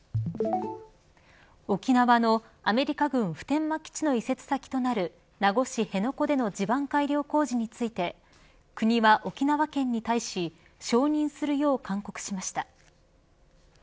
沖縄のアメリカ軍普天間基地の移設先となる名護市辺野古での地盤改良工事について国は、沖縄県に対し承認するよう勧告しました。